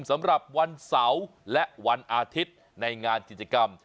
สำหรับวันเสาร์และวันอาทิตย์ในงานกิจกรรม